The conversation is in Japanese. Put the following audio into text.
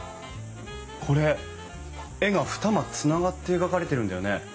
これ絵が二間つながって描かれてるんだよね。